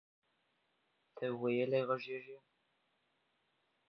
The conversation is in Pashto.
ته ویلې غږیږي؟